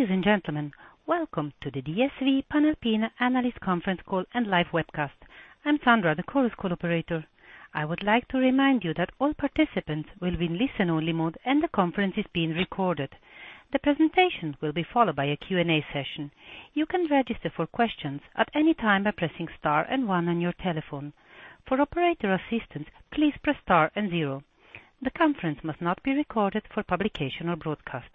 Ladies and gentlemen, welcome to the DSV Panalpina analyst conference call and live webcast. I'm Sandra, the conference call operator. I would like to remind you that all participants will be in listen-only mode and the conference is being recorded. The presentation will be followed by a Q&A session. You can register for questions at any time by pressing star and one on your telephone. For operator assistance, please press star and zero. The conference must not be recorded for publication or broadcast.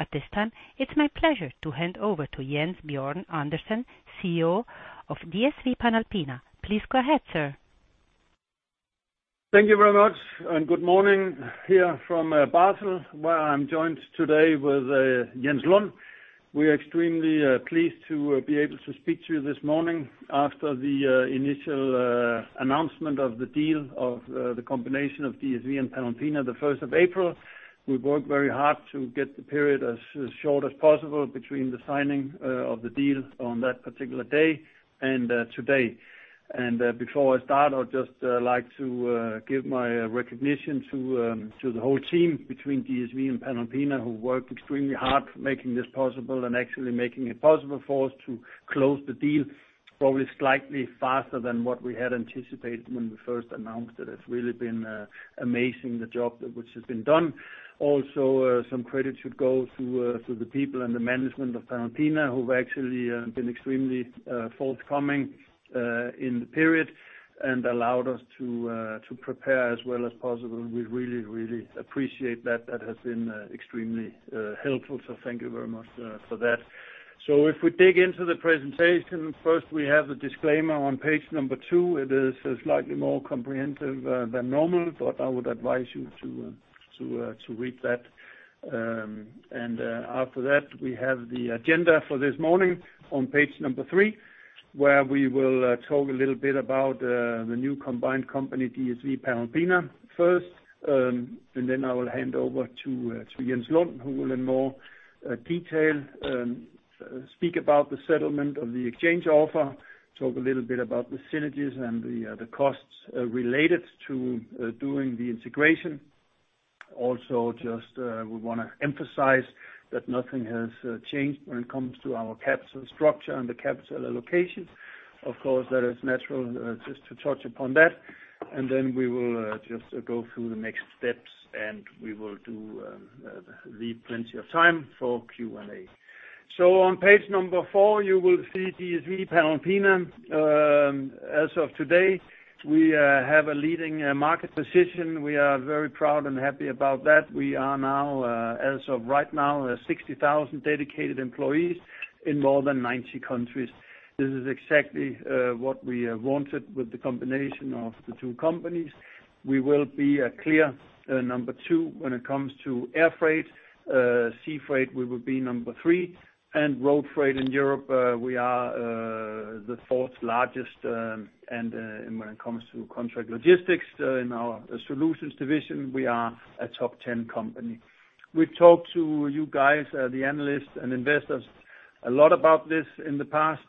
At this time, it's my pleasure to hand over to Jens Bjørn Andersen, CEO of DSV Panalpina. Please go ahead, sir. Thank you very much. Good morning here from Basel, where I'm joined today with Jens Lund. We are extremely pleased to be able to speak to you this morning after the initial announcement of the deal of the combination of DSV and Panalpina, the 1st of April. We've worked very hard to get the period as short as possible between the signing of the deal on that particular day and today. Before I start, I'd just like to give my recognition to the whole team between DSV and Panalpina, who worked extremely hard for making this possible and actually making it possible for us to close the deal probably slightly faster than what we had anticipated when we first announced it. It's really been amazing the job which has been done. Also, some credit should go to the people and the management of Panalpina, who've actually been extremely forthcoming in the period and allowed us to prepare as well as possible. We really, really appreciate that. That has been extremely helpful. Thank you very much for that. If we dig into the presentation, first, we have a disclaimer on page number two. It is slightly more comprehensive than normal, but I would advise you to read that. After that, we have the agenda for this morning on page number three, where we will talk a little bit about the new combined company, DSV Panalpina, first. Then I will hand over to Jens Lund, who will in more detail, speak about the settlement of the exchange offer, talk a little bit about the synergies and the costs related to doing the integration. Just we want to emphasize that nothing has changed when it comes to our capital structure and the capital allocation. Of course, that is natural just to touch upon that. Then we will just go through the next steps, and we will leave plenty of time for Q&A. On page number four, you will see DSV Panalpina. As of today, we have a leading market position. We are very proud and happy about that. We are now, as of right now, 60,000 dedicated employees in more than 90 countries. This is exactly what we wanted with the combination of the two companies. We will be a clear number 2 when it comes to air freight. Sea freight, we will be number 3. Road freight in Europe, we are the fourth largest. When it comes to contract logistics in our solutions division, we are a top 10 company. We talked to you guys, the analysts and investors, a lot about this in the past.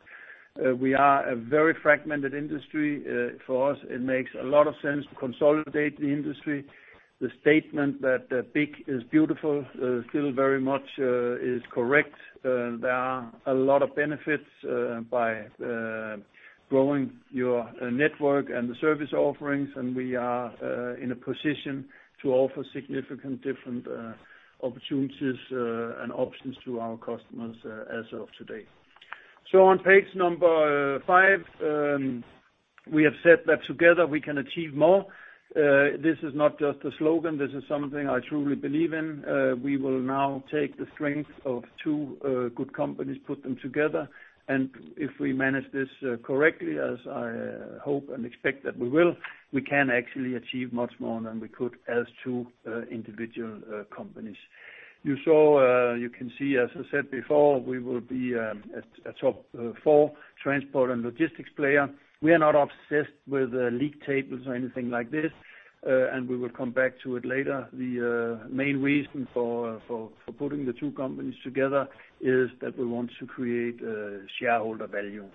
We are a very fragmented industry. For us, it makes a lot of sense to consolidate the industry. The statement that big is beautiful still very much is correct. There are a lot of benefits by growing your network and the service offerings, and we are in a position to offer significant different opportunities and options to our customers as of today. On page number five, we have said that together we can achieve more. This is not just a slogan. This is something I truly believe in. We will now take the strength of two good companies, put them together, and if we manage this correctly, as I hope and expect that we will, we can actually achieve much more than we could as two individual companies. You can see, as I said before, we will be a top four transport and logistics player. We are not obsessed with league tables or anything like this, and we will come back to it later. The main reason for putting the two companies together is that we want to create shareholder value.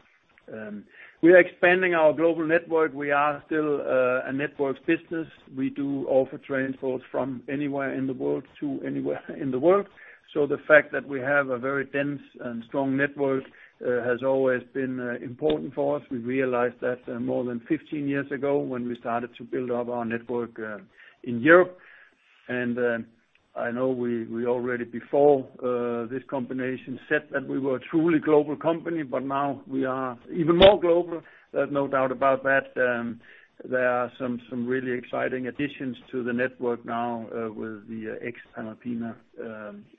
We are expanding our global network. We are still a network business. We do offer transport from anywhere in the world to anywhere in the world. The fact that we have a very dense and strong network has always been important for us. We realized that more than 15 years ago when we started to build up our network in Europe. I know we already, before this combination, said that we were a truly global company, but now we are even more global. There's no doubt about that. There are some really exciting additions to the network now with the ex Panalpina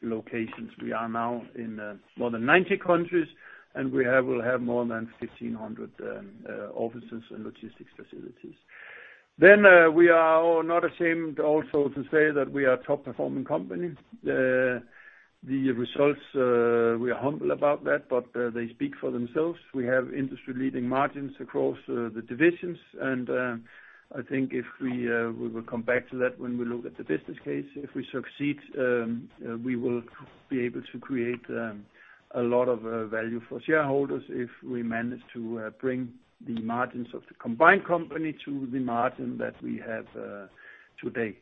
locations. We are now in more than 90 countries, and we will have more than 1,500 offices and logistics facilities. We are not ashamed also to say that we are top-performing company. The results, we are humble about that, but they speak for themselves. We have industry-leading margins across the divisions, and I think we will come back to that when we look at the business case. If we succeed, we will be able to create a lot of value for shareholders if we manage to bring the margins of the combined company to the margin that we have today.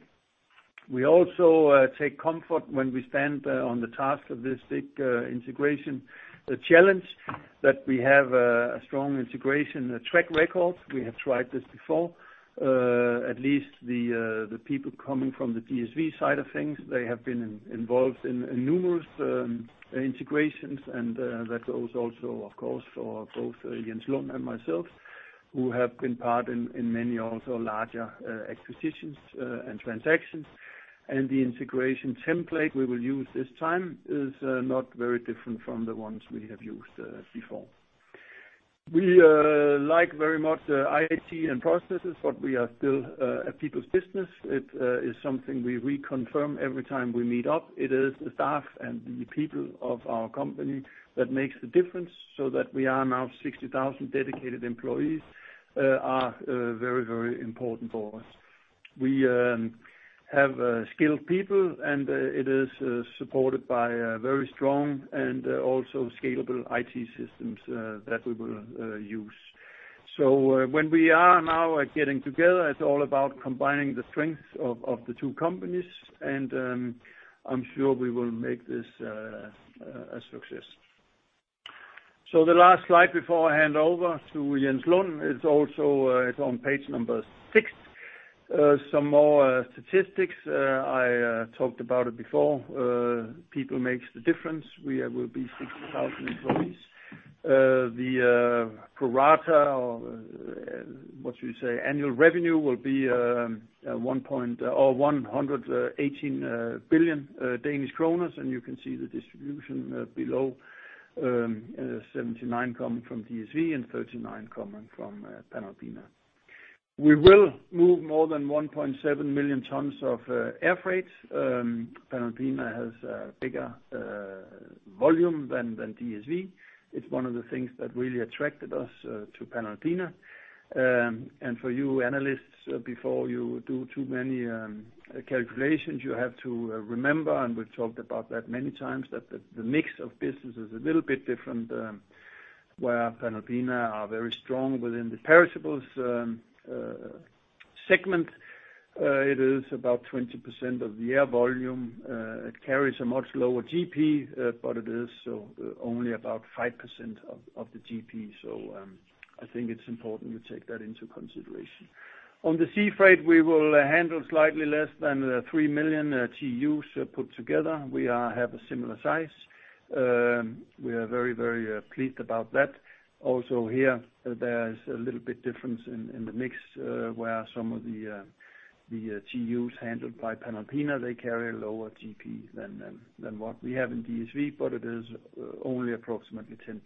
We also take comfort when we stand on the task of this big integration challenge, that we have a strong integration track record. We have tried this before. At least the people coming from the DSV side of things, they have been involved in numerous integrations and that goes also, of course, for both Jens Lund and myself, who have been part in many also larger acquisitions and transactions. The integration template we will use this time is not very different from the ones we have used before. We like very much IT and processes, but we are still a people's business. It is something we reconfirm every time we meet up. It is the staff and the people of our company that makes the difference, that we are now 60,000 dedicated employees are very important for us. We have skilled people, it is supported by a very strong and also scalable IT systems that we will use. When we are now getting together, it's all about combining the strengths of the two companies, I'm sure we will make this a success. The last slide before I hand over to Jens Lund is also on page number six. Some more statistics. I talked about it before. People makes the difference. We will be 60,000 employees. The annual revenue will be 118 billion Danish kroner, you can see the distribution below, 79 coming from DSV and 39 coming from Panalpina. We will move more than 1.7 million tons of air freight. Panalpina has a bigger volume than DSV. It's one of the things that really attracted us to Panalpina. For you analysts, before you do too many calculations, you have to remember, and we've talked about that many times, that the mix of business is a little bit different, where Panalpina are very strong within the perishables segment. It is about 20% of the air volume. It carries a much lower GP, but it is so only about 5% of the GP. I think it's important we take that into consideration. On the sea freight, we will handle slightly less than 3 million TEUs put together. We have a similar size. We are very pleased about that. Also here, there is a little bit difference in the mix, where some of the TEUs handled by Panalpina, they carry a lower GP than what we have in DSV, but it is only approximately 10%,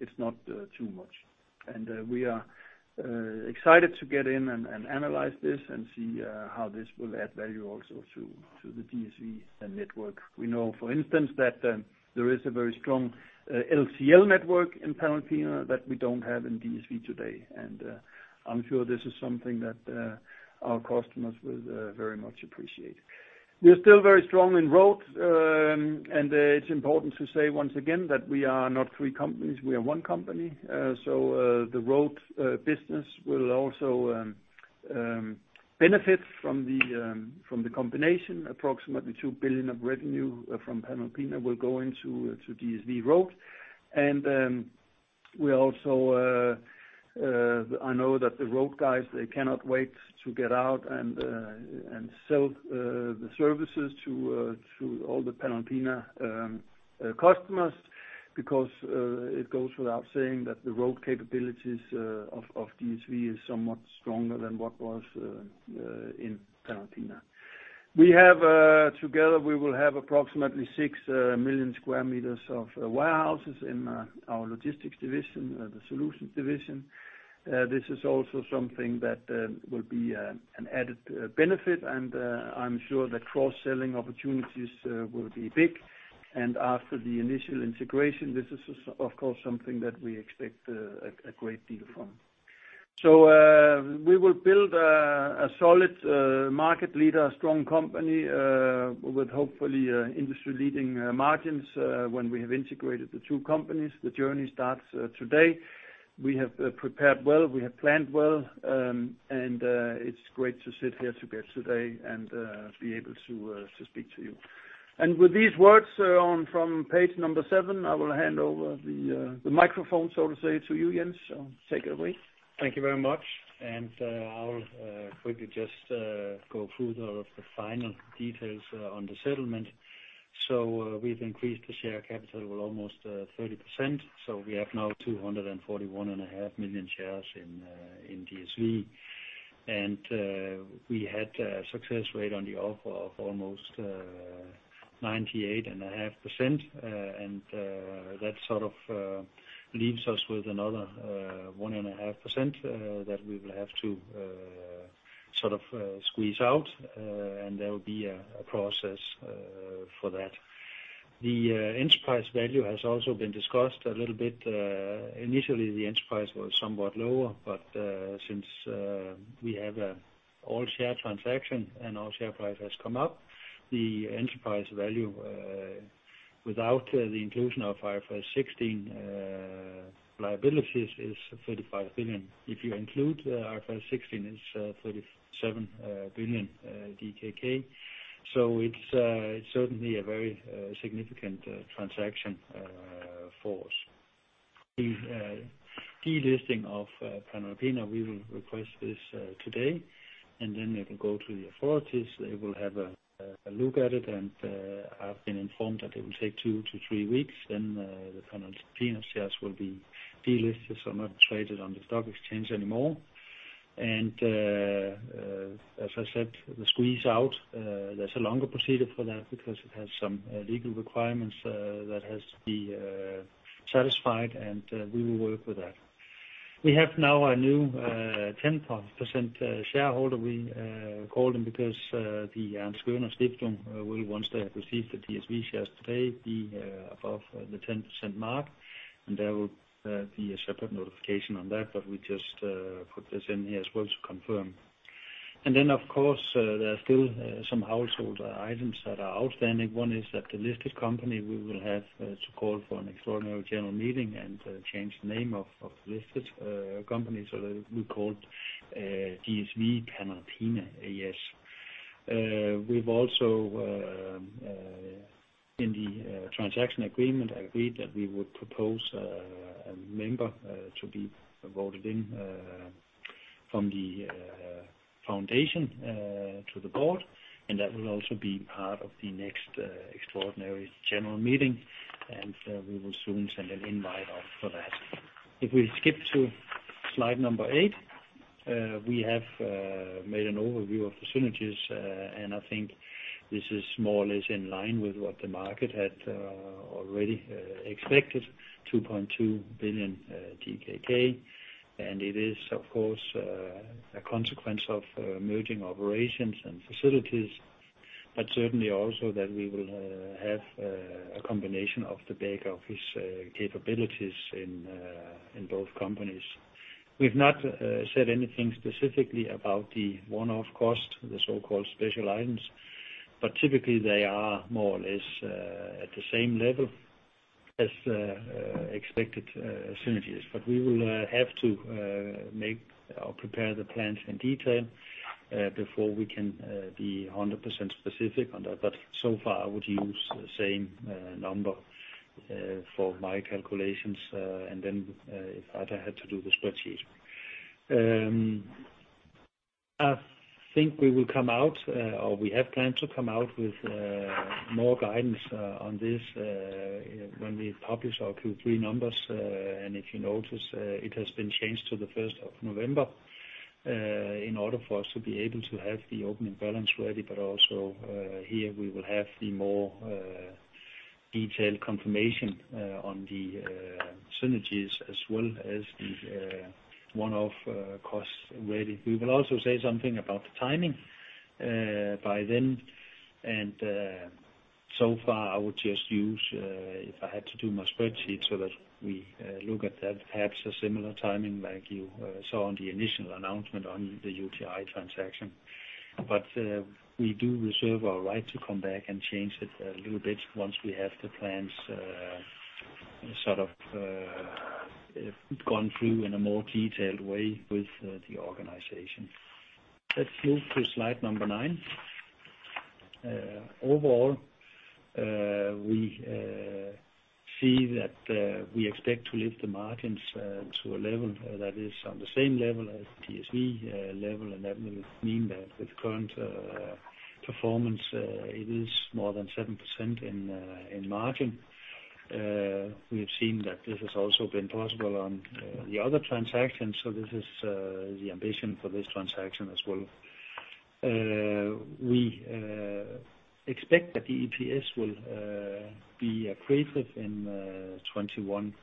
it's not too much. We are excited to get in and analyze this and see how this will add value also to the DSV network. We know, for instance, that there is a very strong LCL network in Panalpina that we don't have in DSV today. I'm sure this is something that our customers will very much appreciate. We are still very strong in Road, and it's important to say once again that we are not three companies, we are one company. The Road business will also benefit from the combination. Approximately 2 billion of revenue from Panalpina will go into DSV Road. I know that the road guys, they cannot wait to get out and sell the services to all the Panalpina customers because it goes without saying that the road capabilities of DSV is somewhat stronger than what was in Panalpina. Together, we will have approximately 6 million sq m of warehouses in our logistics division, the solutions division. This is also something that will be an added benefit, and I'm sure that cross-selling opportunities will be big. After the initial integration, this is of course something that we expect a great deal from. We will build a solid market leader, a strong company, with hopefully industry-leading margins when we have integrated the two companies. The journey starts today. We have prepared well, we have planned well, and it's great to sit here together today and be able to speak to you. With these words from page number seven, I will hand over the microphone, so to say, to you, Jens. Take it away. Thank you very much. I'll quickly just go through the final details on the settlement. We've increased the share capital almost 30%. We have now 241.5 million shares in DSV. We had a success rate on the offer of almost 98.5%, and that sort of leaves us with another 1.5% that we will have to sort of squeeze out, and there will be a process for that. The enterprise value has also been discussed a little bit. Initially, the enterprise was somewhat lower, but since we have an all-share transaction and our share price has come up, the enterprise value without the inclusion of IFRS 16 liabilities is 35 billion. If you include IFRS 16, it's 37 billion DKK. It's certainly a very significant transaction for us. The delisting of Panalpina, we will request this today, and then it can go to the authorities. They will have a look at it, and I've been informed that it will take two to three weeks. The Panalpina shares will be delisted, so not traded on the stock exchange anymore. As I said, the squeeze-out, there's a longer procedure for that because it has some legal requirements that has to be satisfied, and we will work with that. We have now a new 10% shareholder. We called them because the Ernst Göhner Stiftung will, once they have received the DSV shares today, be above the 10% mark, and there will be a separate notification on that. We just put this in here as well to confirm. Of course, there are still some household items that are outstanding. One is that the listed company, we will have to call for an extraordinary general meeting and change the name of the listed company so that it will be called DSV Panalpina A/S. We've also, in the transaction agreement, agreed that we would propose a member to be voted in from the foundation to the board, and that will also be part of the next extraordinary general meeting. We will soon send an invite out for that. If we skip to slide number eight, we have made an overview of the synergies, and I think this is more or less in line with what the market had already expected, 2.2 billion DKK. It is, of course, a consequence of merging operations and facilities, but certainly also that we will have a combination of the back office capabilities in both companies. We've not said anything specifically about the one-off cost, the so-called special items, but typically they are more or less at the same level as expected synergies. We will have to make or prepare the plans in detail before we can be 100% specific on that. So far, I would use the same number for my calculations. If I had to do the spreadsheet. I think we will come out, or we have planned to come out with more guidance on this when we publish our Q3 numbers. If you notice, it has been changed to the 1st of November, in order for us to be able to have the opening balance ready, but also, here we will have the more detailed confirmation on the synergies as well as the one-off costs ready. We will also say something about the timing by then. So far, I would just use, if I had to do my spreadsheet so that we look at that, perhaps a similar timing like you saw on the initial announcement on the UTi transaction. We do reserve our right to come back and change it a little bit once we have the plans sort of gone through in a more detailed way with the organization. Let's move to slide number nine. Overall, we see that we expect to lift the margins to a level that is on the same level as DSV level. That will mean that with current performance, it is more than 7% in margin. We have seen that this has also been possible on the other transactions. This is the ambition for this transaction as well. We expect that the EPS will be accretive in 2021.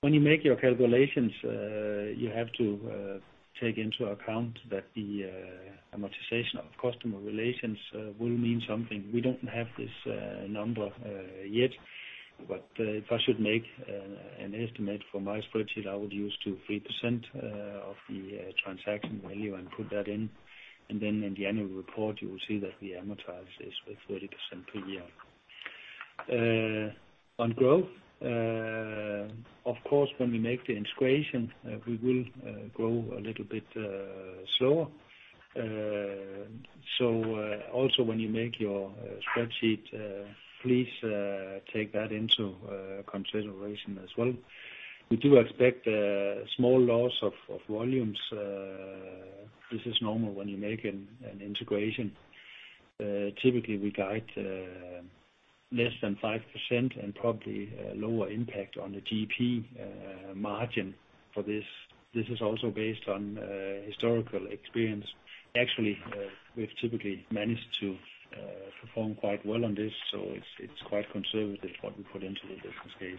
When you make your calculations, you have to take into account that the amortization of customer relations will mean something. We don't have this number yet, but if I should make an estimate for my spreadsheet, I would use 2%-3% of the transaction value and put that in. Then in the annual report, you will see that the amortization is 30% per year. On growth, of course, when we make the integration, we will grow a little bit slower. Also, when you make your spreadsheet, please take that into consideration as well. We do expect a small loss of volumes. This is normal when you make an integration. Typically, we guide less than 5% and probably a lower impact on the GP margin for this. This is also based on historical experience. Actually, we've typically managed to perform quite well on this. It's quite conservative what we put into the business case.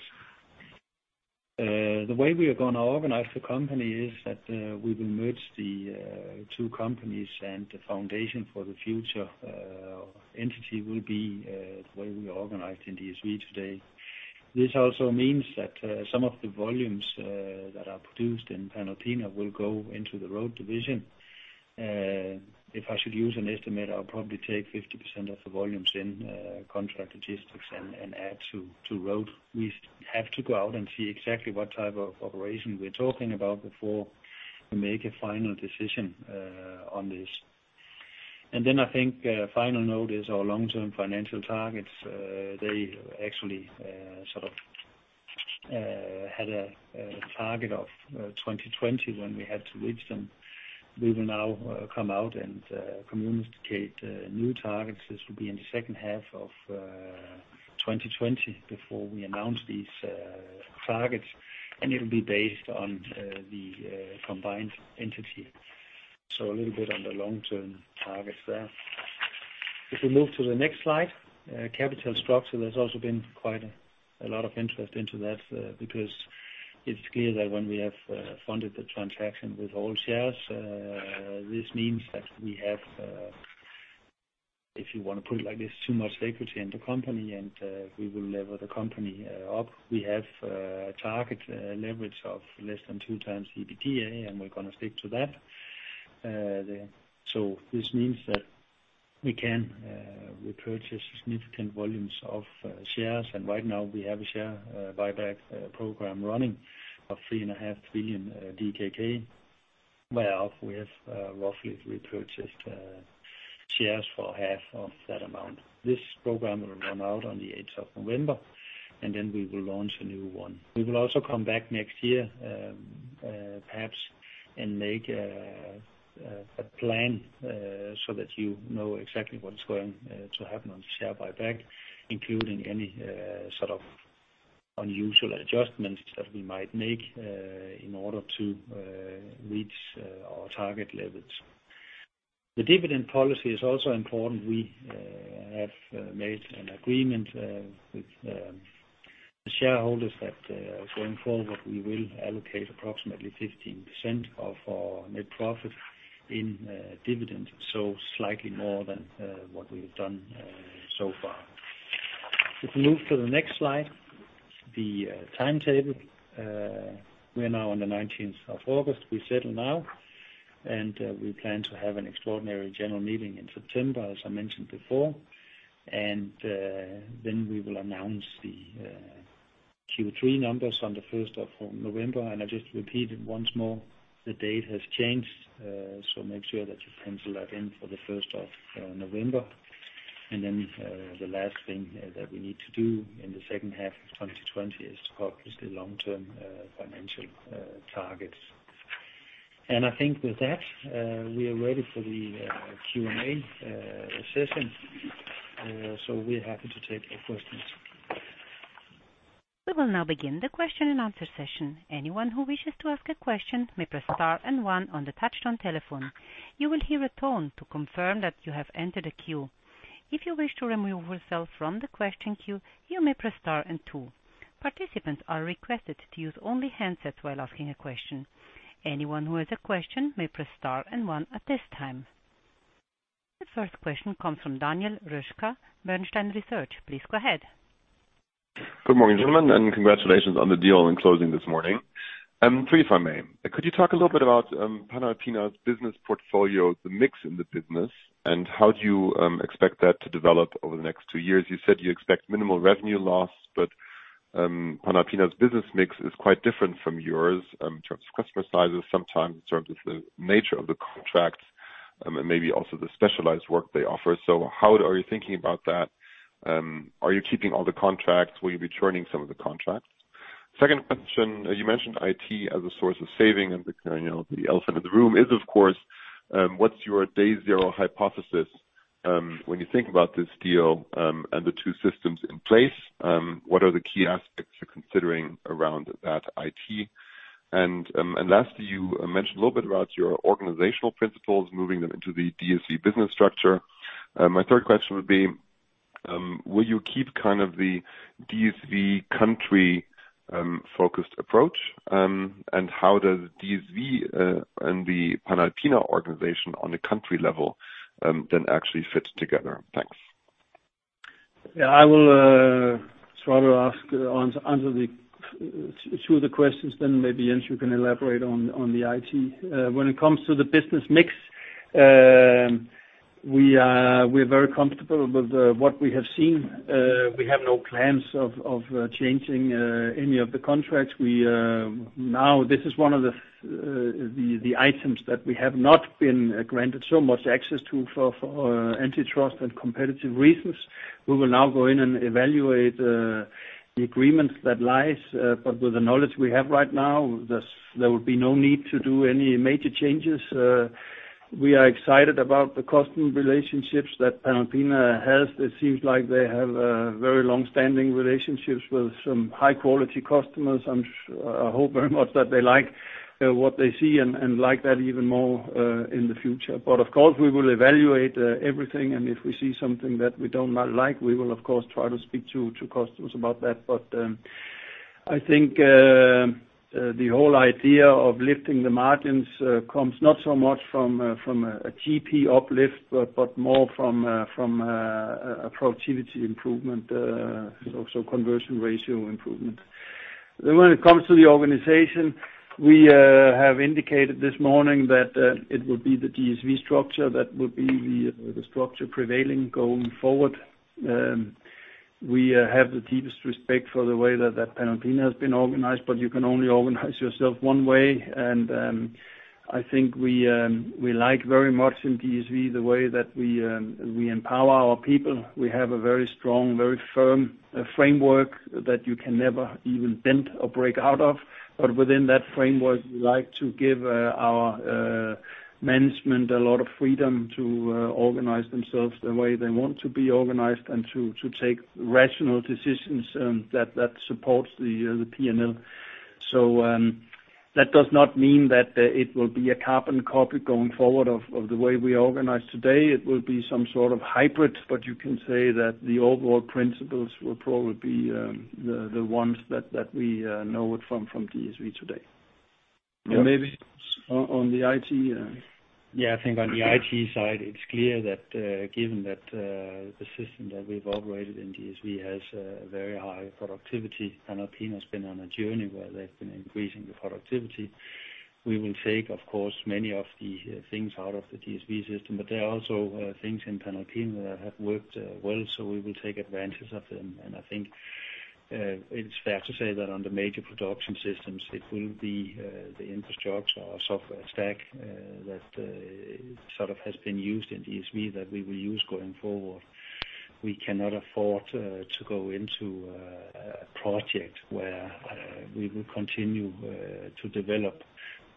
The way we are going to organize the company is that we will merge the two companies. The foundation for the future entity will be the way we are organized in DSV today. This also means that some of the volumes that are produced in Panalpina will go into the road division. If I should use an estimate, I'll probably take 50% of the volumes in contract logistics and add to road. We have to go out and see exactly what type of operation we're talking about before we make a final decision on this. I think a final note is our long-term financial targets. They actually sort of had a target of 2020 when we had to reach them. We will now come out and communicate new targets. This will be in the second half of 2020 before we announce these targets, and it'll be based on the combined entity. A little bit on the long-term targets there. If we move to the next slide, capital structure. There's also been quite a lot of interest into that, because it's clear that when we have funded the transaction with all shares, this means that we have, if you want to put it like this, too much equity in the company and we will lever the company up. We have a target leverage of less than two times EBITDA, and we're going to stick to that. This means that we can repurchase significant volumes of shares, and right now we have a share buyback program running of 3.5 billion DKK, where we have roughly repurchased shares for half of that amount. This program will run out on the 8th of November, and then we will launch a new one. We will also come back next year, perhaps, and make a plan, so that you know exactly what is going to happen on share buyback, including any sort of unusual adjustments that we might make in order to reach our target levels. The dividend policy is also important. We have made an agreement with the shareholders that, going forward, we will allocate approximately 15% of our net profit in dividends, so slightly more than what we have done so far. If we move to the next slide, the timetable. We are now on the 19th of August. We settle now, we plan to have an extraordinary general meeting in September, as I mentioned before. We will announce the Q3 numbers on the 1st of November, I'll just repeat it once more. The date has changed, make sure that you pencil that in for the 1st of November. The last thing that we need to do in the second half of 2020 is to publish the long-term financial targets. I think with that, we are ready for the Q&A session. We're happy to take your questions. We will now begin the question and answer session. Anyone who wishes to ask a question may press star and one on the touch-tone telephone. You will hear a tone to confirm that you have entered a queue. If you wish to remove yourself from the question queue, you may press star and two. Participants are requested to use only handsets while asking a question. Anyone who has a question may press star and one at this time. The first question comes from Daniel Röska, Bernstein Research. Please go ahead. Good morning, gentlemen. Congratulations on the deal and closing this morning. Three if I may. Could you talk a little bit about Panalpina's business portfolio, the mix in the business, and how do you expect that to develop over the next two years? You said you expect minimal revenue loss. Panalpina's business mix is quite different from yours in terms of customer sizes, sometimes in terms of the nature of the contracts, and maybe also the specialized work they offer. How are you thinking about that? Are you keeping all the contracts? Will you be turning some of the contracts? Second question, you mentioned IT as a source of saving. The elephant in the room is, of course, what's your day zero hypothesis when you think about this deal, and the two systems in place? What are the key aspects you're considering around that IT? Lastly, you mentioned a little bit about your organizational principles, moving them into the DSV business structure. My third question would be, will you keep kind of the DSV country-focused approach? How does DSV and the Panalpina organization on the country level then actually fit together? Thanks. Yeah, I will try to answer two of the questions, maybe Jens, you can elaborate on the IT. When it comes to the business mix, we're very comfortable with what we have seen. We have no plans of changing any of the contracts. Now, this is one of the items that we have not been granted so much access to for antitrust and competitive reasons. We will now go in and evaluate the agreements that lie. With the knowledge we have right now, there will be no need to do any major changes. We are excited about the customer relationships that Panalpina has. It seems like they have very long-standing relationships with some high-quality customers. I hope very much that they like what they see and like that even more in the future. Of course, we will evaluate everything, and if we see something that we do not like, we will of course try to speak to customers about that. I think the whole idea of lifting the margins comes not so much from a GP uplift, but more from a productivity improvement, so conversion ratio improvement. When it comes to the organization, we have indicated this morning that it will be the DSV structure that would be the structure prevailing going forward. We have the deepest respect for the way that Panalpina has been organized, but you can only organize yourself one way. I think we like very much in DSV the way that we empower our people. We have a very strong, very firm framework that you can never even bend or break out of. But within that framework, we like to give our management a lot of freedom to organize themselves the way they want to be organized and to take rational decisions that supports the P&L. That does not mean that it will be a carbon copy going forward of the way we organize today. It will be some sort of hybrid, but you can say that the overall principles will probably be the ones that we know from DSV today. Maybe on the IT? Yeah, I think on the IT side, it's clear that given that the system that we've operated in DSV has a very high productivity. Panalpina has been on a journey where they've been increasing the productivity. We will take, of course, many of the things out of the DSV system, but there are also things in Panalpina that have worked well, so we will take advantage of them. I think, it's fair to say that on the major production systems, it will be the infrastructure or software stack that has been used in DSV that we will use going forward. We cannot afford to go into a project where we will continue to develop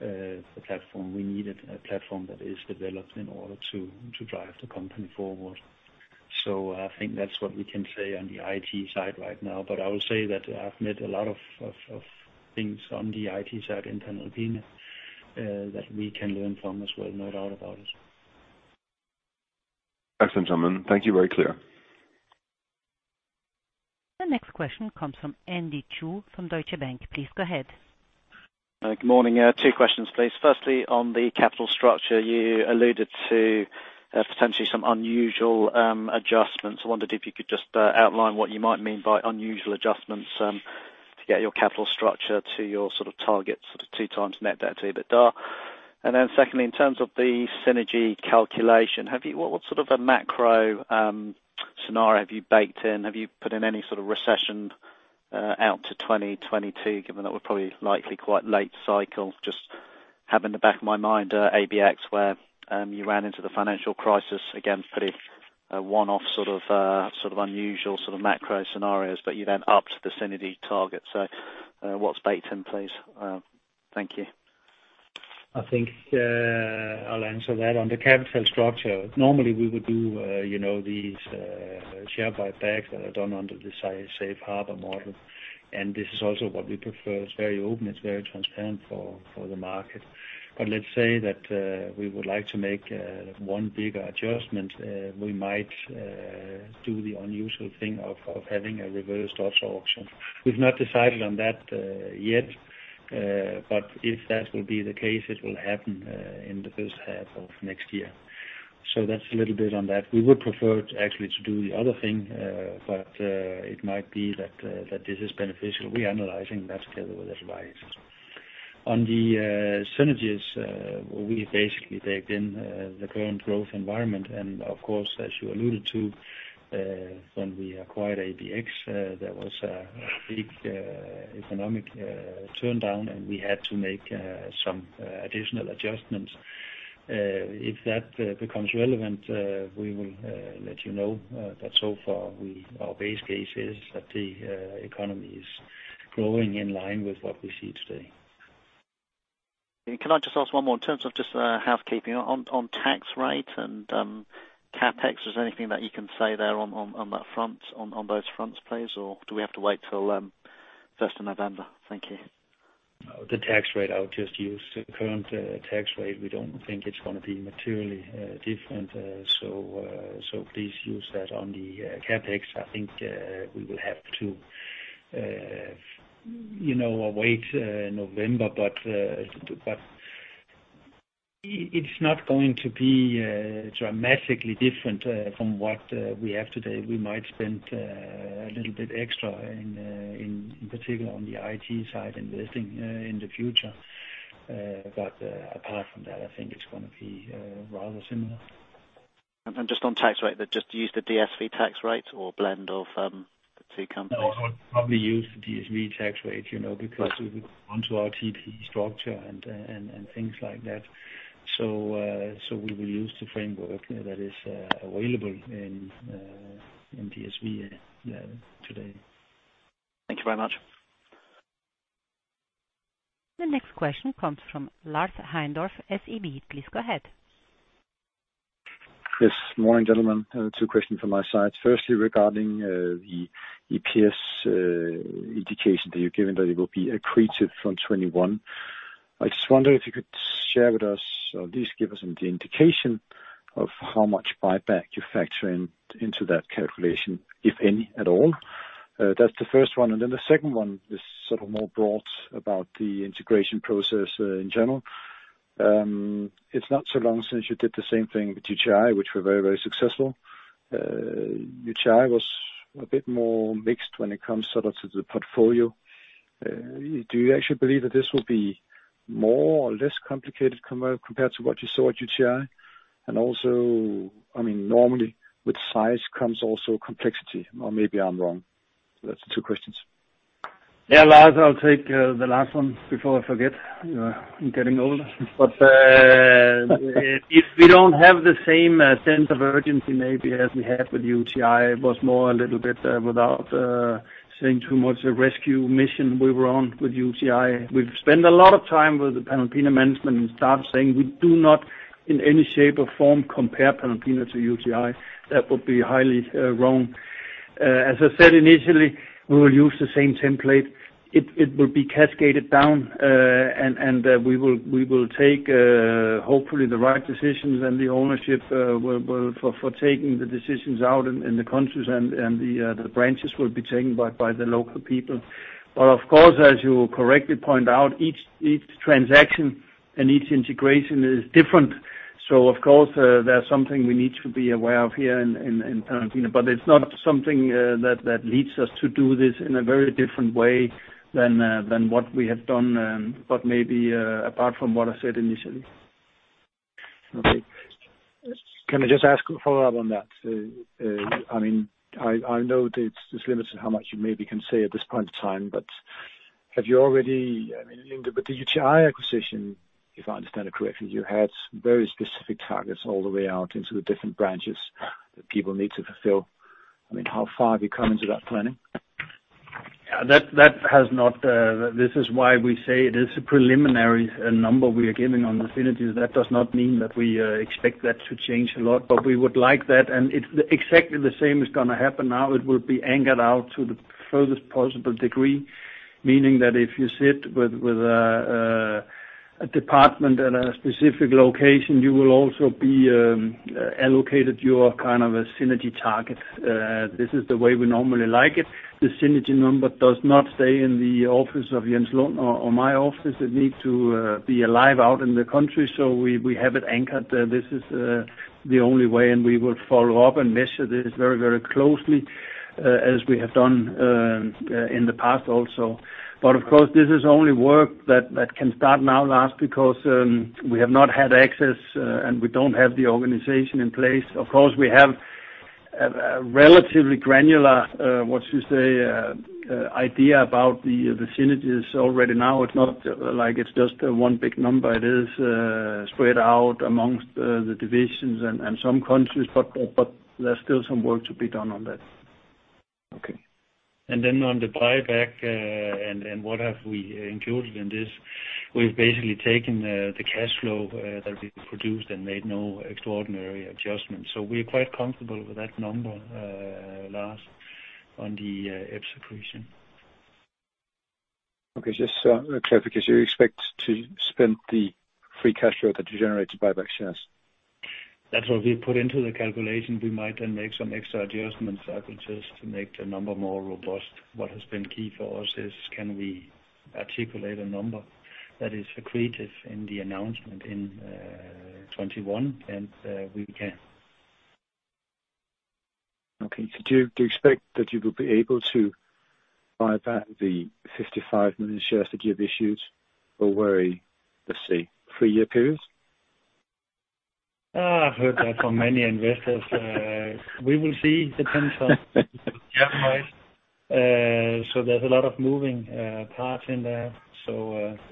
a platform. We need a platform that is developed in order to drive the company forward. I think that's what we can say on the IT side right now. I will say that I've met a lot of things on the IT side in Panalpina that we can learn from as well, no doubt about it. Excellent, gentlemen. Thank you. Very clear. The next question comes from Andy Chu from Deutsche Bank. Please go ahead. Good morning. Two questions, please. Firstly, on the capital structure, you alluded to potentially some unusual adjustments. I wondered if you could just outline what you might mean by unusual adjustments to get your capital structure to your sort of target, sort of two times net debt to EBITDA. Secondly, in terms of the synergy calculation, what sort of a macro scenario have you baked in? Have you put in any sort of recession out to 2022, given that we're probably likely quite late cycle? Just have in the back of my mind, ABX where you ran into the financial crisis again, pretty one-off, sort of unusual, sort of macro scenarios, but you then upped the synergy target. What's baked in, please? Thank you. I think, I'll answer that. On the capital structure, normally we would do these share buybacks that are done under the safe harbor model, and this is also what we prefer. It's very open, it's very transparent for the market. Let's say that we would like to make one big adjustment, we might do the unusual thing of having a reverse stock auction. We've not decided on that yet. If that will be the case, it will happen in the first half of next year. That's a little bit on that. We would prefer actually to do the other thing, but it might be that this is beneficial. We are analyzing that together with our advisors. On the synergies, we basically baked in the current growth environment. Of course, as you alluded to, when we acquired ABX, there was a big economic turndown, and we had to make some additional adjustments. If that becomes relevant, we will let you know. So far, our base case is that the economy is growing in line with what we see today. Can I just ask one more in terms of just, housekeeping. On tax rate and CapEx, is there anything that you can say there on that front, on those fronts, please? Do we have to wait till 1st of November? Thank you. The tax rate, I would just use the current tax rate. We don't think it's going to be materially different. Please use that. On the CapEx, I think we will have to wait November, but it's not going to be dramatically different from what we have today. We might spend a little bit extra in particular on the IT side investing in the future. Apart from that, I think it's going to be rather similar. Just on tax rate, just use the DSV tax rate or blend of the two companies? I would probably use the DSV tax rate, because we would go onto our TP structure and things like that. We will use the framework that is available in DSV today. Thank you very much. The next question comes from Lars Heindorff, SEB. Please go ahead. Yes. Morning, gentlemen. Two questions from my side. Firstly, regarding the EPS indication that you're giving, that it will be accretive from 2021. I just wonder if you could share with us, or at least give us an indication of how much buyback you factor into that calculation, if any at all. That's the first one. The second one is sort of more broad about the integration process in general. It's not so long since you did the same thing with UTi, which was very successful. UTi was a bit more mixed when it comes to the portfolio. Do you actually believe that this will be more or less complicated compared to what you saw at UTi? Normally with size comes also complexity, or maybe I'm wrong. That's two questions. Yeah, Lars, I'll take the last one before I forget. I'm getting old. If we don't have the same sense of urgency, maybe as we had with UTi, was more a little bit, without saying too much, a rescue mission we were on with UTi. We've spent a lot of time with the Panalpina management and staff saying we do not in any shape or form compare Panalpina to UTi. That would be highly wrong. As I said initially, we will use the same template. It will be cascaded down, and we will take, hopefully, the right decisions, and the ownership for taking the decisions out in the countries and the branches will be taken by the local people. Of course, as you correctly point out, each transaction and each integration is different. Of course, that's something we need to be aware of here in Panalpina. It's not something that leads us to do this in a very different way than what we have done, but maybe apart from what I said initially. Okay. Can I just ask a follow-up on that? I know it's limited how much you maybe can say at this point in time, linked up with the UTi acquisition, if I understand it correctly, you had very specific targets all the way out into the different branches that people need to fulfill. How far have you come into that planning? This is why we say it is a preliminary number we are giving on the synergies. That does not mean that we expect that to change a lot, but we would like that. Exactly the same is going to happen now. It will be anchored out to the furthest possible degree, meaning that if you sit with a department at a specific location, you will also be allocated your synergy target. This is the way we normally like it. The synergy number does not stay in the office of Jens or my office. It needs to be alive out in the country, so we have it anchored. This is the only way, and we will follow up and measure this very closely, as we have done in the past also. Of course, this is only work that can start now, Lars, because we have not had access, and we don't have the organization in place. Of course, we have a relatively granular, what you say, idea about the synergies already now. It's not like it's just one big number. It is spread out amongst the divisions and some countries, but there's still some work to be done on that. Okay. On the buyback, and what have we included in this, we've basically taken the cash flow that we produced and made no extraordinary adjustments. We're quite comfortable with that number, Lars, on the EPS accretion. Okay. Just a clarification, you expect to spend the free cash flow that you generate to buy back shares? That's what we put into the calculation. We might then make some extra adjustments averages to make the number more robust. What has been key for us is can we articulate a number that is accretive in the announcement in 2021, and we can. Do you expect that you will be able to buy back the 55 million shares that you have issued over, let's say, three-year periods? I've heard that from many investors. We will see. Depends capital wise. There's a lot of moving parts in there. We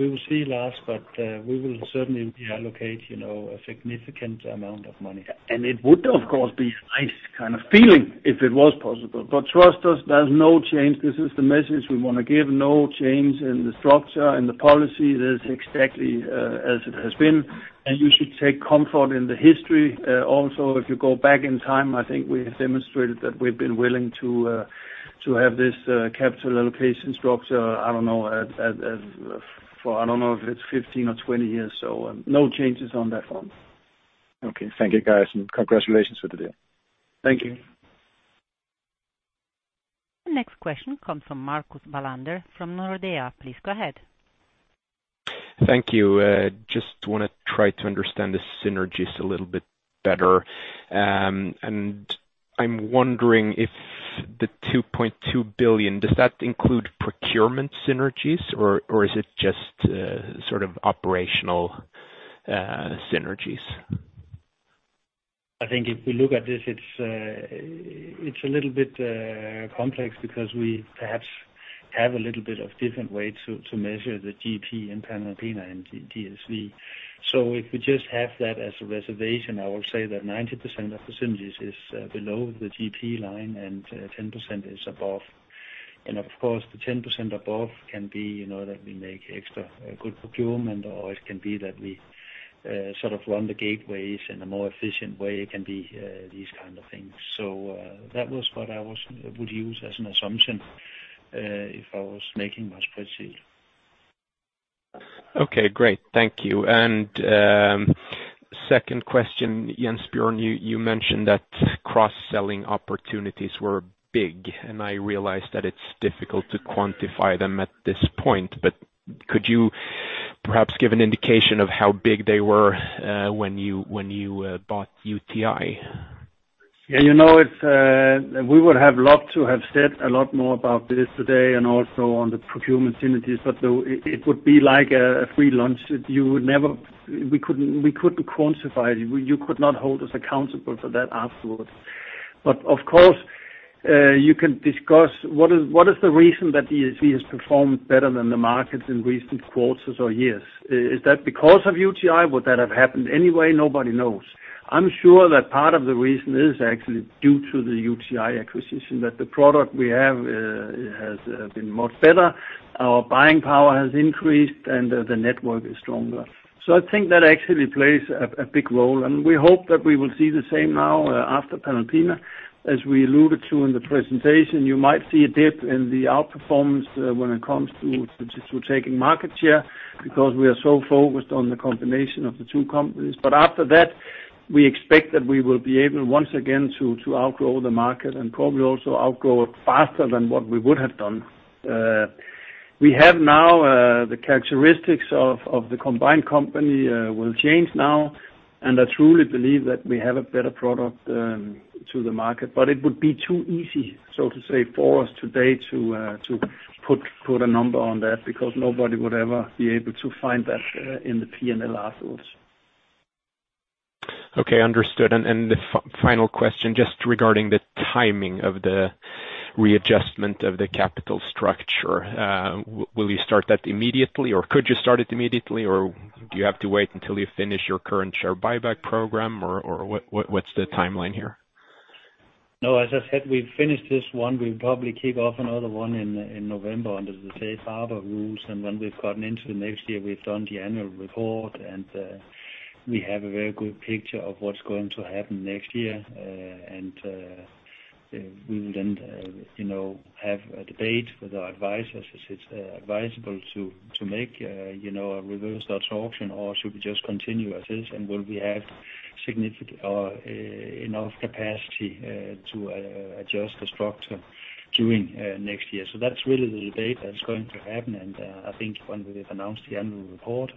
will see, Lars, but we will certainly allocate a significant amount of money. It would, of course, be a nice kind of feeling if it was possible. Trust us, there's no change. This is the message we want to give. No change in the structure and the policy. It is exactly as it has been. You should take comfort in the history. Also, if you go back in time, I think we have demonstrated that we've been willing to have this capital allocation structure. I don't know, for I don't know if it's 15 or 20 years, so no changes on that front. Okay. Thank you, guys, and congratulations for the deal. Thank you. Next question comes from Marcus Bellander from Nordea. Please go ahead. Thank you. Just want to try to understand the synergies a little bit better. I'm wondering if the 2.2 billion, does that include procurement synergies, or is it just sort of operational synergies? I think if we look at this, it's a little bit complex because we perhaps have a little bit of different way to measure the GP in Panalpina and DSV. If we just have that as a reservation, I would say that 90% of the synergies is below the GP line and 10% is above. Of course, the 10% above can be that we make extra good procurement, or it can be that we run the gateways in a more efficient way. It can be these kinds of things. That was what I would use as an assumption if I was making my spreadsheet. Okay, great. Thank you. Second question, Jens Bjørn. You mentioned that cross-selling opportunities were big, and I realize that it's difficult to quantify them at this point, but could you perhaps give an indication of how big they were when you bought UTI? Yeah. We would have loved to have said a lot more about this today and also on the procurement synergies. It would be like a free lunch. We couldn't quantify it. You could not hold us accountable for that afterwards. Of course, you can discuss what is the reason that DSV has performed better than the markets in recent quarters or years. Is that because of UTi? Would that have happened anyway? Nobody knows. I'm sure that part of the reason is actually due to the UTi acquisition, that the product we have has been much better, our buying power has increased, and the network is stronger. I think that actually plays a big role, and we hope that we will see the same now after Panalpina. As we alluded to in the presentation, you might see a dip in the outperformance when it comes to taking market share because we are so focused on the combination of the two companies. After that, we expect that we will be able, once again, to outgrow the market and probably also outgrow it faster than what we would have done. The characteristics of the combined company will change now, and I truly believe that we have a better product to the market. It would be too easy, so to say, for us today to put a number on that, because nobody would ever be able to find that in the P&L afterwards. Okay, understood. The final question, just regarding the timing of the readjustment of the capital structure. Will you start that immediately, or could you start it immediately, or do you have to wait until you finish your current share buyback program, or what's the timeline here? As I said, we've finished this one. We'll probably kick off another one in November under the safe harbor rules. When we've gotten into next year, we've done the annual report, and we have a very good picture of what's going to happen next year. We will then have a debate with our advisors if it's advisable to make a reverse auction, or should we just continue as is, and will we have enough capacity to adjust the structure during next year. That's really the debate that's going to happen. I think when we've announced the annual report,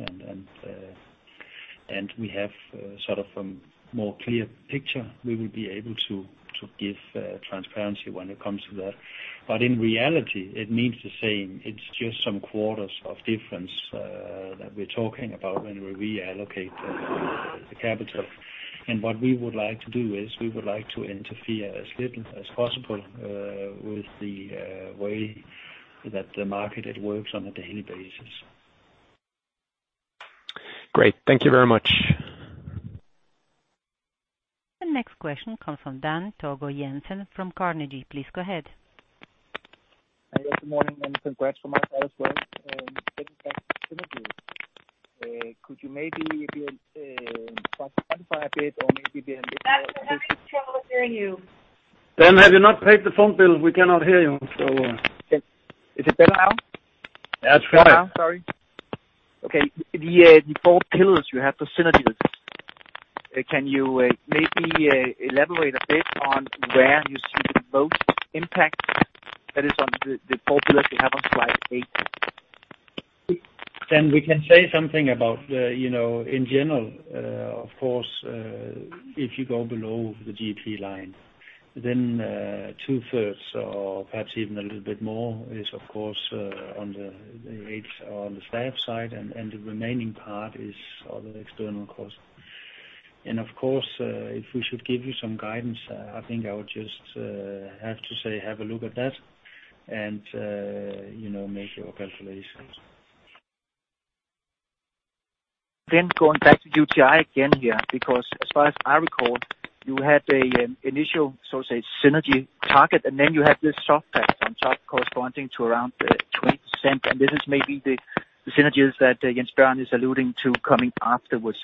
and we have sort of a more clear picture, we will be able to give transparency when it comes to that. In reality, it means the same. It's just some quarters of difference that we're talking about when we reallocate the capital. What we would like to do is, we would like to interfere as little as possible with the way that the market works on a daily basis. Great. Thank you very much. The next question comes from Dan Togo-Jensen from Carnegie. Please go ahead. Good morning, and congrats from my side as well. Getting back to synergies, could you maybe, if you quantify a bit? Dan, we're having trouble hearing you. Dan, have you not paid the phone bill? We cannot hear you. Is it better now? That's better. Sorry. Okay. The four pillars you have for synergies, can you maybe elaborate a bit on where you see the most impact? That is on the four pillars you have on slide eight. Dan, we can say something about, in general, of course, if you go below the GP line, then two-thirds or perhaps even a little bit more is, of course, on the staff side, and the remaining part is other external costs. Of course, if we should give you some guidance, I think I would just have to say, have a look at that and make your calculations. Going back to UTi again here, because as far as I recall, you had an initial synergy target, and then you had this soft patch on top corresponding to around 20%. This is maybe the synergies that Jens Bjørn is alluding to coming afterwards.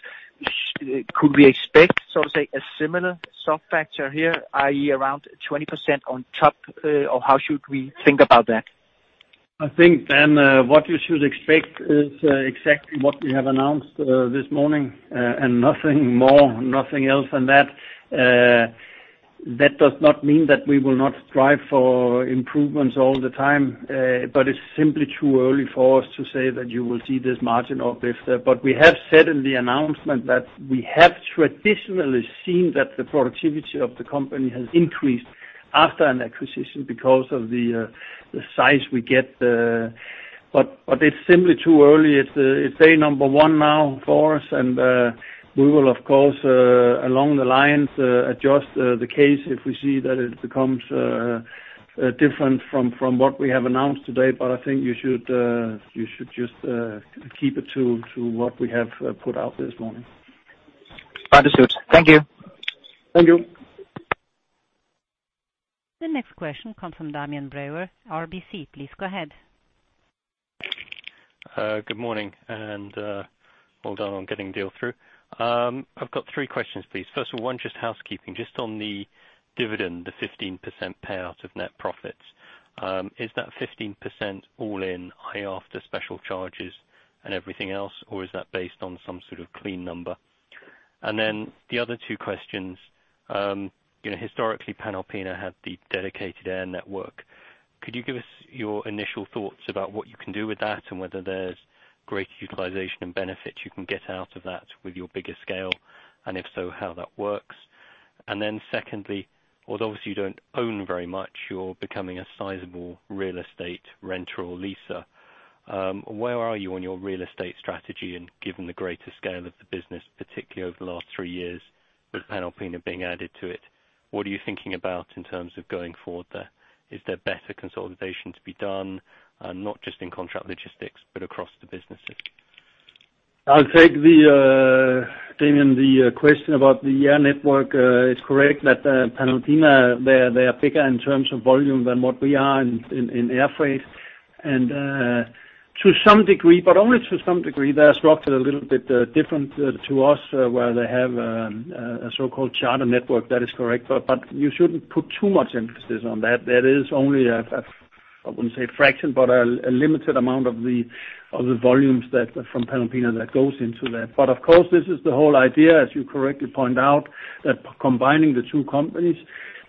Could we expect, so to say, a similar soft factor here, i.e., around 20% on top, or how should we think about that? I think, Dan, what you should expect is exactly what we have announced this morning and nothing more, nothing else than that. That does not mean that we will not strive for improvements all the time, but it's simply too early for us to say that you will see this margin uplift. We have said in the announcement that we have traditionally seen that the productivity of the company has increased after an acquisition because of the size we get. It's simply too early. It's day number one now for us, and we will, of course, along the lines, adjust the case if we see that it becomes different from what we have announced today. I think you should just keep it to what we have put out this morning. Understood. Thank you. Thank you. The next question comes from Damian Brewer, RBC. Please go ahead. Good morning. Well done on getting the deal through. I've got three questions, please. First of all, one, just housekeeping. Just on the dividend, the 15% payout of net profits. Is that 15% all in, i.e., after special charges and everything else, or is that based on some sort of clean number? The other two questions. Historically, Panalpina had the dedicated air network. Could you give us your initial thoughts about what you can do with that, and whether there's great utilization and benefit you can get out of that with your bigger scale? If so, how that works? Secondly, although obviously you don't own very much, you're becoming a sizable real estate renter or leaser. Where are you on your real estate strategy, and given the greater scale of the business, particularly over the last three years, with Panalpina being added to it, what are you thinking about in terms of going forward there? Is there better consolidation to be done? Not just in contract logistics, but across the businesses. I'll take, Damian, the question about the air network. It's correct that Panalpina, they are bigger in terms of volume than what we are in air freight. To some degree, but only to some degree, they are structured a little bit different to us, where they have a so-called charter network. That is correct. You shouldn't put too much emphasis on that. That is only, I wouldn't say a fraction, but a limited amount of the volumes that are from Panalpina that goes into that. Of course, this is the whole idea, as you correctly point out, that combining the two companies,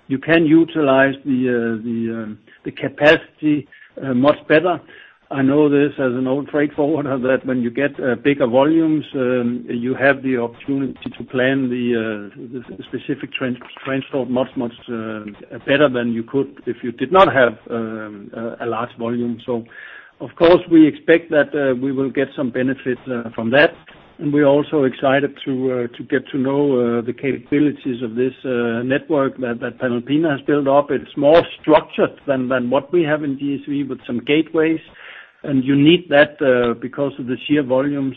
you can utilize the capacity much better. I know this as an old freight forwarder, that when you get bigger volumes, you have the opportunity to plan the specific transport much better than you could if you did not have a large volume. Of course, we expect that we will get some benefit from that, and we are also excited to get to know the capabilities of this network that Panalpina has built up. It's more structured than what we have in DSV with some gateways, and you need that because of the sheer volumes.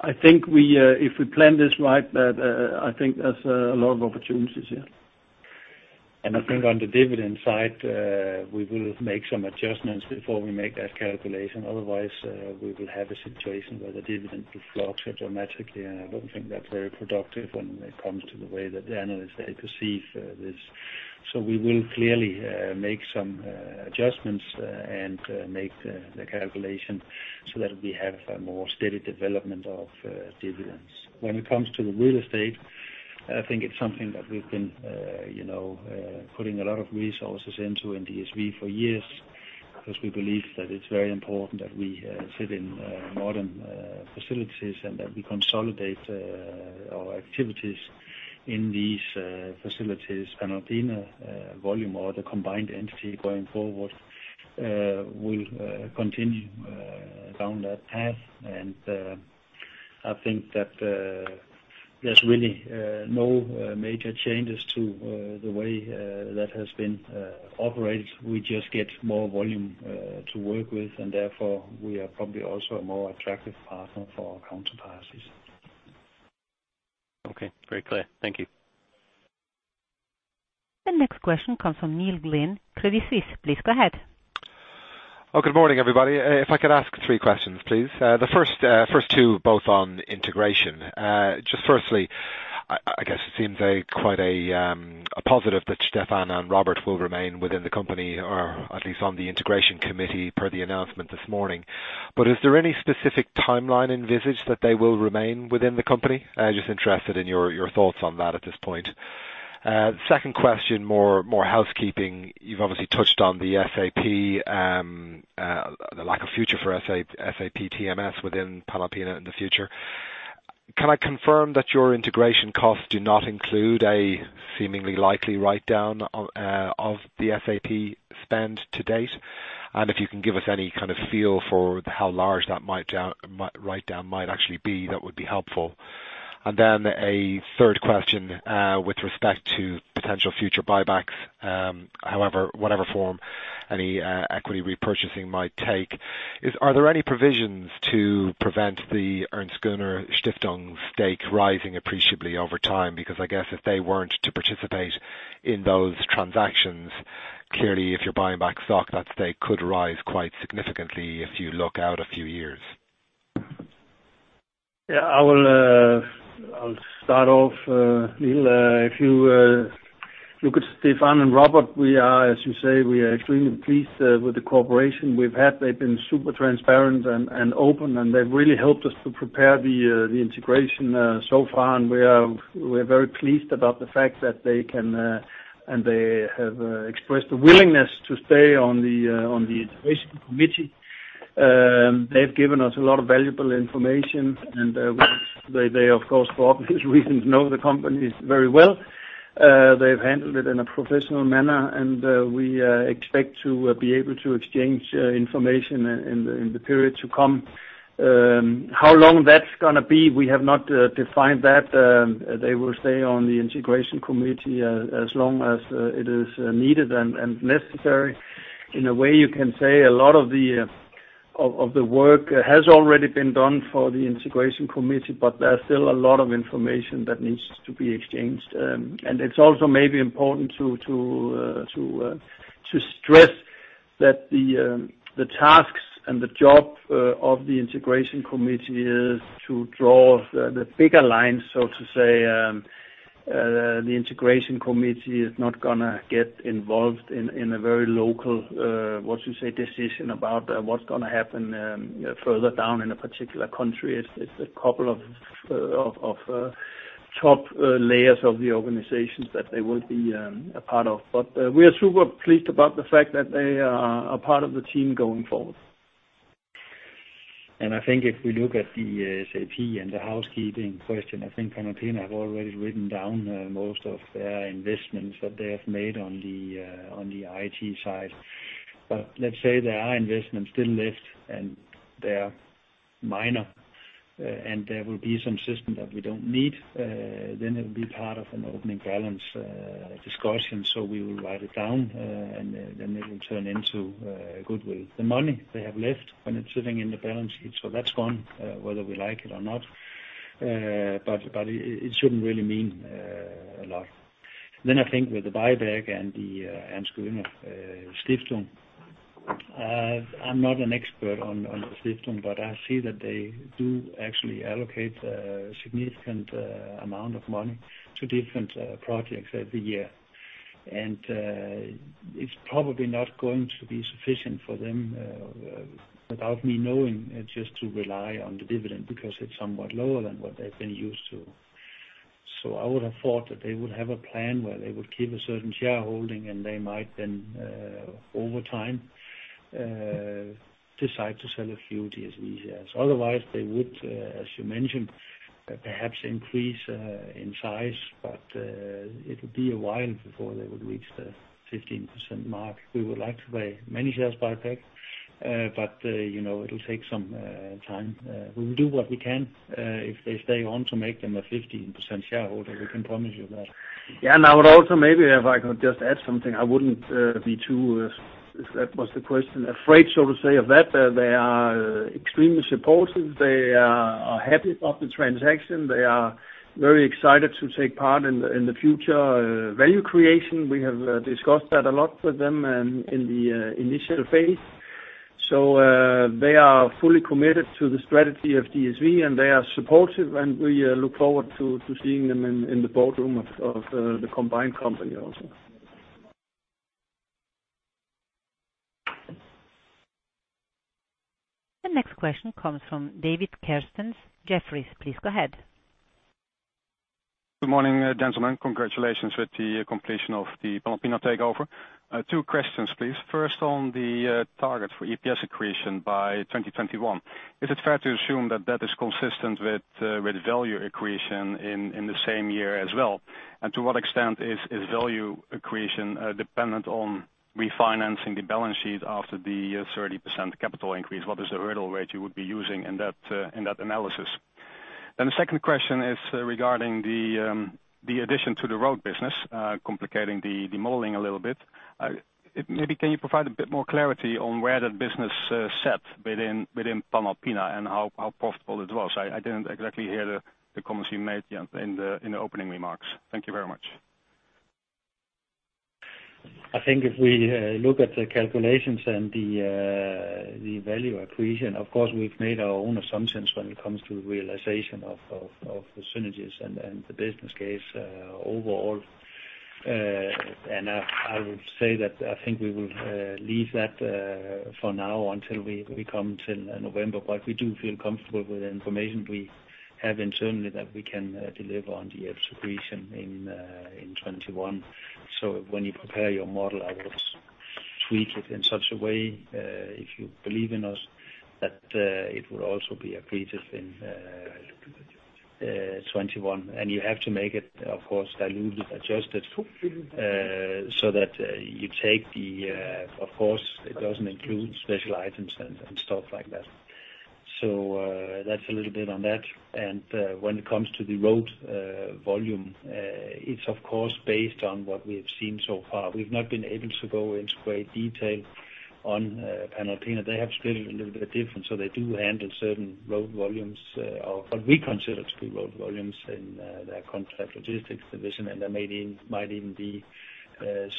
I think if we plan this right, that I think there's a lot of opportunities here. I think on the dividend side, we will make some adjustments before we make that calculation. Otherwise, we will have a situation where the dividend will fluctuate dramatically, and I don't think that's very productive when it comes to the way that the analysts, they perceive this. We will clearly make some adjustments and make the calculation so that we have a more steady development of dividends. When it comes to the real estate, I think it's something that we've been putting a lot of resources into in DSV for years, because we believe that it's very important that we sit in modern facilities and that we consolidate our activities in these facilities. Panalpina volume or the combined entity going forward will continue down that path. I think that there's really no major changes to the way that has been operated. We just get more volume to work with, and therefore, we are probably also a more attractive partner for our counterparties. Okay. Very clear. Thank you. The next question comes from Neil Glynn, Credit Suisse. Please go ahead. Good morning, everybody. If I could ask three questions, please. The first two, both on integration. Firstly, I guess it seems quite a positive that Stefan and Robert will remain within the company, or at least on the integration committee per the announcement this morning. Is there any specific timeline envisaged that they will remain within the company? Interested in your thoughts on that at this point. Second question, more housekeeping. You've obviously touched on the SAP, the lack of future for SAP TMS within Panalpina in the future. Can I confirm that your integration costs do not include a seemingly likely write-down of the SAP spend to date? If you can give us any kind of feel for how large that write-down might actually be, that would be helpful. A third question with respect to potential future buybacks. Whatever form any equity repurchasing might take, are there any provisions to prevent the Ernst Göhner Stiftung stake rising appreciably over time? I guess if they weren't to participate in those transactions, clearly if you're buying back stock, that stake could rise quite significantly if you look out a few years. I'll start off, Neil. If you look at Stefan and Robert, as you say, we are extremely pleased with the cooperation we've had. They've been super transparent and open, and they've really helped us to prepare the integration so far. We are very pleased about the fact that they can, and they have expressed a willingness to stay on the integration committee. They've given us a lot of valuable information, they, of course, for obvious reasons, know the companies very well. They've handled it in a professional manner, and we expect to be able to exchange information in the period to come. How long that's going to be, we have not defined that. They will stay on the integration committee as long as it is needed and necessary. In a way, you can say a lot of the work has already been done for the integration committee, but there's still a lot of information that needs to be exchanged. It's also maybe important to stress that the tasks and the job of the integration committee is to draw the bigger lines, so to say. The integration committee is not going to get involved in a very local, what you say, decision about what's going to happen further down in a particular country. It's a couple of top layers of the organizations that they will be a part of. We are super pleased about the fact that they are a part of the team going forward. I think if we look at the SAP and the housekeeping question, I think Panalpina have already written down most of their investments that they have made on the IT side. Let's say there are investments still left, and they're minor, and there will be some system that we don't need, then it'll be part of an opening balance discussion. We will write it down, and then it will turn into goodwill. The money they have left when it's sitting in the balance sheet, so that's gone, whether we like it or not. It shouldn't really mean a lot. I think with the buyback and the Ernst Göhner Stiftung. I'm not an expert on the Stiftelse, but I see that they do actually allocate a significant amount of money to different projects every year. It's probably not going to be sufficient for them, without me knowing, just to rely on the dividend because it's somewhat lower than what they've been used to. I would have thought that they would have a plan where they would keep a certain shareholding, and they might then, over time, decide to sell a few DSV shares. Otherwise, they would, as you mentioned, perhaps increase in size, but it would be a while before they would reach the 15% mark. We would like to buy many shares buyback, but it'll take some time. We will do what we can if they stay on to make them a 15% shareholder. We can promise you that. I would also maybe, if I could just add something, I wouldn't be too, if that was the question, afraid, so to say of that. They are extremely supportive. They are happy about the transaction. They are very excited to take part in the future value creation. We have discussed that a lot with them in the initial phase. They are fully committed to the strategy of DSV, and they are supportive, and we look forward to seeing them in the boardroom of the combined company also. The next question comes from David Kerstens, Jefferies. Please go ahead. Good morning, gentlemen. Congratulations with the completion of the Panalpina takeover. Two questions, please. First, on the target for EPS accretion by 2021, is it fair to assume that that is consistent with value accretion in the same year as well? To what extent is value accretion dependent on refinancing the balance sheet after the 30% capital increase? What is the hurdle rate you would be using in that analysis? The second question is regarding the addition to the road business complicating the modeling a little bit. Maybe can you provide a bit more clarity on where that business sat within Panalpina and how profitable it was? I didn't exactly hear the comments you made in the opening remarks. Thank you very much. I think if we look at the calculations and the value accretion, of course, we've made our own assumptions when it comes to realization of the synergies and the business case overall. I would say that I think we will leave that for now until we come to November. We do feel comfortable with the information we have internally that we can deliver on the accretion in 2021. When you prepare your model, I would tweak it in such a way, if you believe in us, that it would also be accretive in 2021. You have to make it, of course, dilution-adjusted so that you take the, of course, it doesn't include special items and stuff like that. That's a little bit on that. When it comes to the road volume, it's of course based on what we have seen so far. We've not been able to go into great detail on Panalpina. They have split it a little bit different, so they do handle certain road volumes of what we consider to be road volumes in their contract logistics division, and there might even be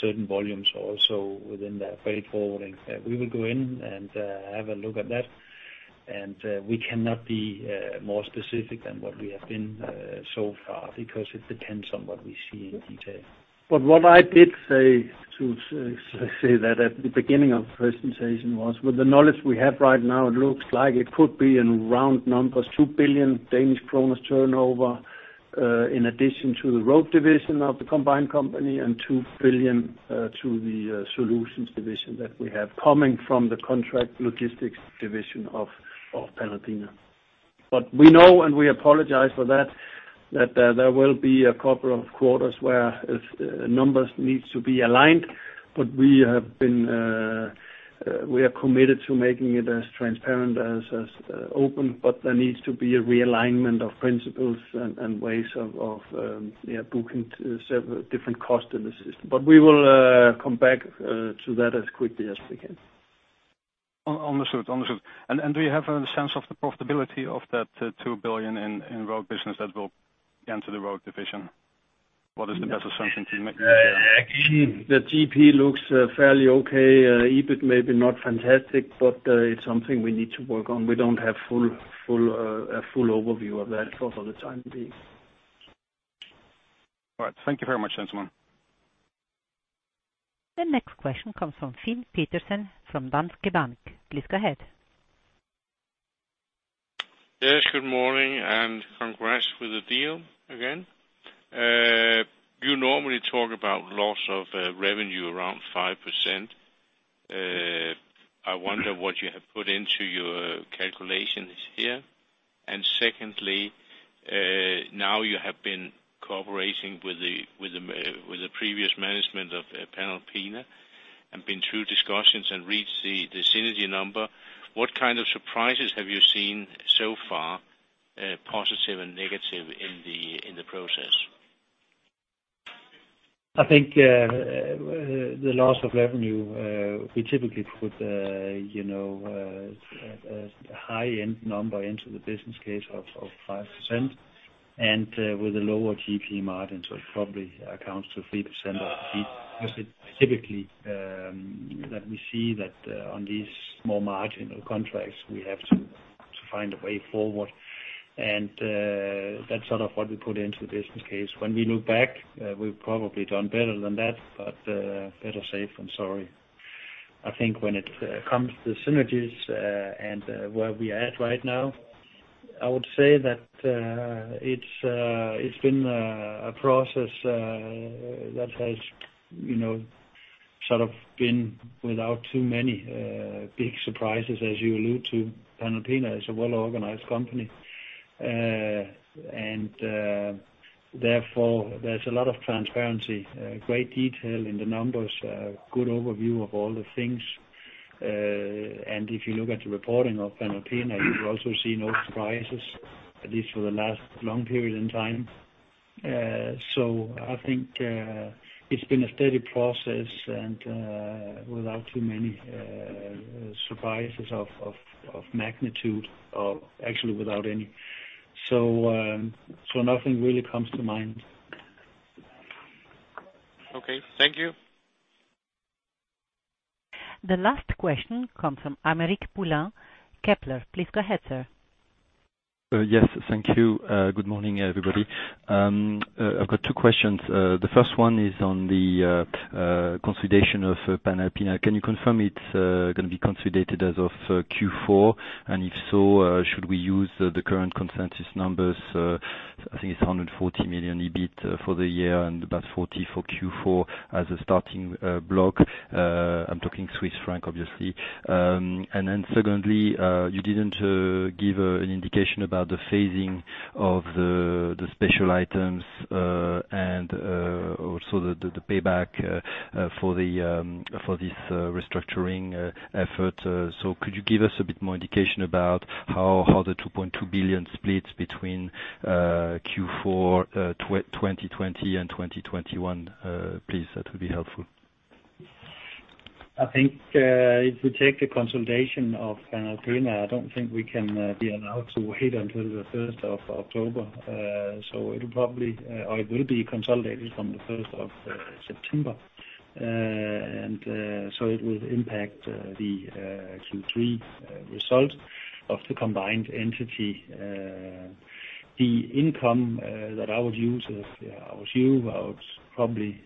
certain volumes also within their freight forwarding. We will go in and have a look at that, and we cannot be more specific than what we have been so far because it depends on what we see in detail. What I did say at the beginning of the presentation was, with the knowledge we have right now, it looks like it could be in round numbers, 2 billion Danish kroners turnover, in addition to the road division of the combined company and 2 billion to the solutions division that we have coming from the contract logistics division of Panalpina. We know, and we apologize for that there will be a couple of quarters where numbers needs to be aligned. We are committed to making it as transparent, as open, but there needs to be a realignment of principles and ways of booking different costs in the system. We will come back to that as quickly as we can. Understood. Do you have a sense of the profitability of that 2 billion in road business that will enter the Road Division? What is the best assumption to make there? Actually, the GP looks fairly okay. EBIT may be not fantastic, but it's something we need to work on. We don't have a full overview of that for the time being. All right. Thank you very much, gentlemen. The next question comes from Finn Petersen, from Danske Bank. Please go ahead. Yes, good morning. Congrats with the deal again. You normally talk about loss of revenue around 5%. I wonder what you have put into your calculations here. Secondly, now you have been cooperating with the previous management of Panalpina and been through discussions and reached the synergy number. What kind of surprises have you seen so far, positive and negative, in the process? I think the loss of revenue, we typically put a high-end number into the business case of 5% and with a lower GP margin, so it probably accounts to 3% of EBIT. Typically, that we see that on these small marginal contracts, we have to find a way forward. That's sort of what we put into the business case. When we look back, we've probably done better than that, but better safe than sorry. I think when it comes to synergies, and where we are at right now, I would say that it's been a process that has sort of been without too many big surprises, as you allude to. Panalpina is a well-organized company. Therefore, there's a lot of transparency, great detail in the numbers, good overview of all the things. If you look at the reporting of Panalpina, you also see no surprises, at least for the last long period in time. I think it's been a steady process and without too many surprises of magnitude or actually without any. Nothing really comes to mind. Okay. Thank you. The last question comes from Aymeric Poulain, Kepler. Please go ahead, sir. Yes. Thank you. Good morning, everybody. I have got two questions. The first one is on the consolidation of Panalpina. Can you confirm it is going to be consolidated as of Q4? If so, should we use the current consensus numbers? I think it is 140 million EBIT for the year and about 40 for Q4 as a starting block. I am talking Swiss franc, obviously. Secondly, you did not give an indication about the phasing of the special items, and also the payback for this restructuring effort. Could you give us a bit more indication about how the 2.2 billion splits between Q4 2020 and 2021, please? That would be helpful. I think if you take the consolidation of Panalpina, I don't think we can be allowed to wait until the 1st of October. It will be consolidated from the 1st of September. It will impact the Q3 result of the combined entity. The income that I would use is, I would probably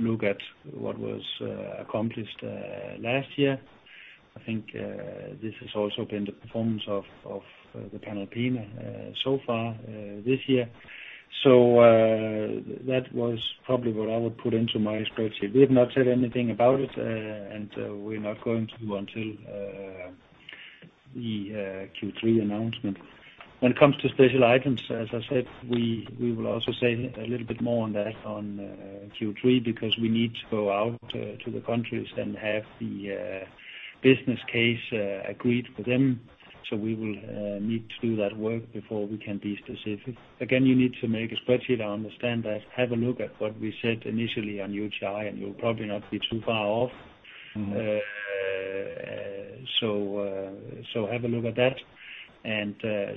look at what was accomplished last year. I think this has also been the performance of Panalpina so far this year. That was probably what I would put into my spreadsheet. We have not said anything about it, and we're not going to until the Q3 announcement. When it comes to special items, as I said, we will also say a little bit more on that on Q3 because we need to go out to the countries and have the business case agreed with them. We will need to do that work before we can be specific. Again, you need to make a spreadsheet. I understand that. Have a look at what we said initially on UTi, and you'll probably not be too far off. Have a look at that and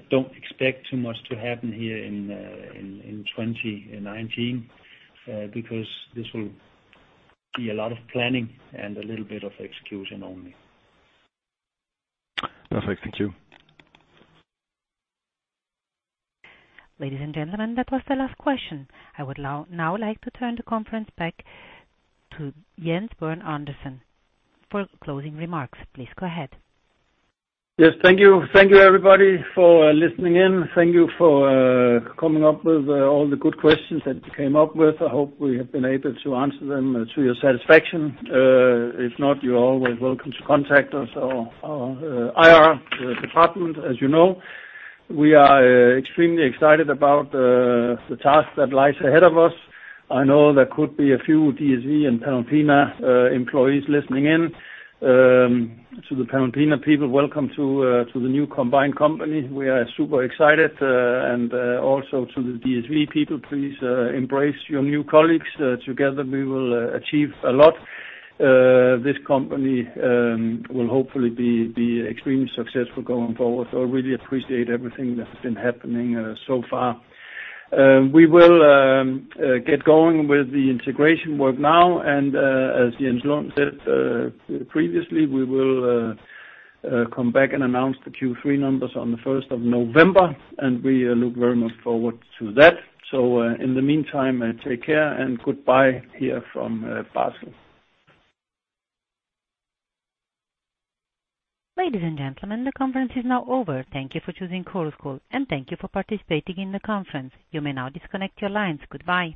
don't expect too much to happen here in 2019, because this will be a lot of planning and a little bit of execution only. Perfect. Thank you. Ladies and gentlemen, that was the last question. I would now like to turn the conference back to Jens Bjørn Andersen for closing remarks. Please go ahead. Yes. Thank you. Thank you everybody for listening in. Thank you for coming up with all the good questions that you came up with. I hope we have been able to answer them to your satisfaction. If not, you're always welcome to contact us or our IR department, as you know. We are extremely excited about the task that lies ahead of us. I know there could be a few DSV and Panalpina employees listening in. To the Panalpina people, welcome to the new combined company. We are super excited. Also to the DSV people, please embrace your new colleagues. Together we will achieve a lot. This company will hopefully be extremely successful going forward. Really appreciate everything that's been happening so far. We will get going with the integration work now, and as Jens Lund said previously, we will come back and announce the Q3 numbers on the 1st of November, and we look very much forward to that. In the meantime, take care and goodbye here from Basel. Ladies and gentlemen, the conference is now over. Thank you for choosing Chorus Call, and thank you for participating in the conference. You may now disconnect your lines. Goodbye.